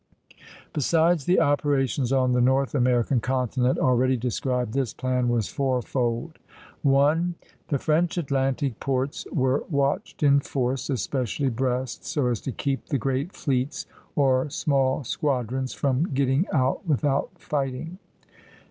Besides the operations on the North American continent already described, this plan was fourfold: 1. The French Atlantic ports were watched in force, especially Brest, so as to keep the great fleets or small squadrons from getting out without fighting.